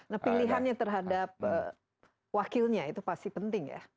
nah pilihannya terhadap wakilnya itu pasti penting ya